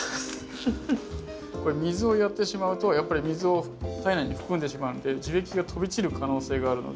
これ水をやってしまうとやっぱり水を体内に含んでしまうので樹液が飛び散る可能性があるので。